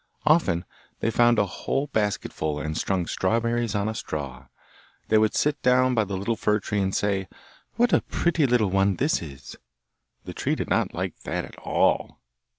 Often they found a whole basketful and strung strawberries on a straw; they would sit down by the little fir tree and say, 'What a pretty little one this is!' The tree did not like that at all.